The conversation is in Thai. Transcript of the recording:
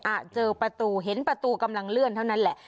อ่ะเจอประตูเห็นประตูกำลังเลื่อนเท่านั้นแหละ